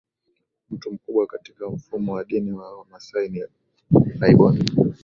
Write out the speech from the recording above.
Mtu mkubwa katika mfumo wa dini ya Wamasai ni laibon